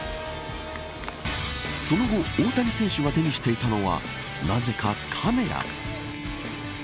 その後大谷選手が手にしていたのはなぜか、カメラ。